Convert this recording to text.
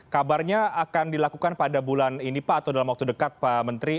kabarnya akan dilakukan pada bulan ini pak atau dalam waktu dekat pak menteri